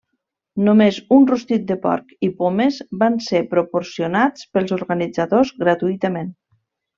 Només un rostit de porc i pomes van ser proporcionats pels organitzadors gratuïtament.